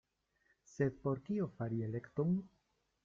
Sed por kio fari elekton?